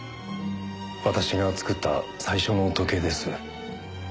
私が作った最初の時計です。